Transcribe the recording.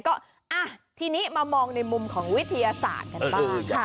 ก็ทีนี้มามองในมุมของวิทยาศาสตร์กันบ้าง